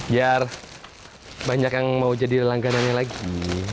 biar banyak yang mau jadi langganannya lagi